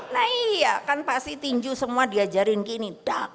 nah iya kan pasti tinju semua diajarin gini